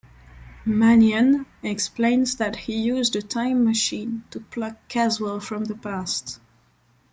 Manion explains that he used a time machine to pluck Caswell from the past.